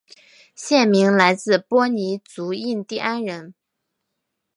县名来自波尼族印第安人。